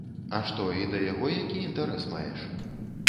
А што, і да яго які інтарэс маеш?